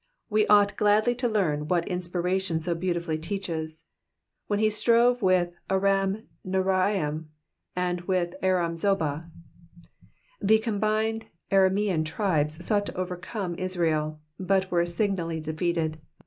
We ought gladly to learn what inspiration so beautifully teaches. When he strove with Aramnaiiaraim and with Aram zobah. The combined Aramean tribes sought to overcome Israel, btd were signally defeated.